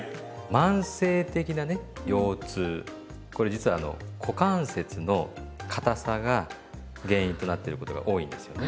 慢性的なね腰痛これ実はあの股関節のかたさが原因となってることが多いんですよね。